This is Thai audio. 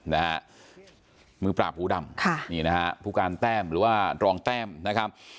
นะฮะมือปราบหูดำค่ะนี่นะฮะผู้การแต้มหรือว่ารองแต้มนะครับ